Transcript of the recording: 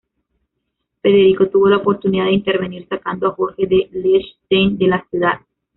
Federico tuvo la oportunidad de intervenir, sacando a Jorge de Liechtenstein de la ciudad.